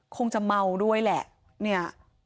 คงจะเมาด้วยแหละเนี่ย